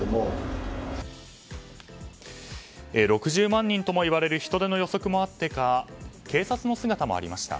６０万人ともいわれる人出の予測もあってか警察の姿もありました。